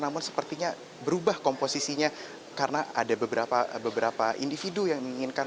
namun sepertinya berubah komposisinya karena ada beberapa individu yang menginginkan